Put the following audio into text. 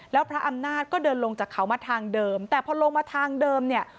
แล้วพระอำนาจก็เดินลงจากเขามาทางเดิมแต่พอลงมาทางเดิมเนี่ย